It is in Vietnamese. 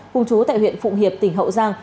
cùng chú tại huyện phụng hiệp tỉnh hậu giang